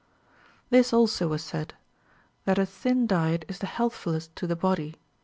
4. This also was said, that a thin diet is the healthfulest to the body.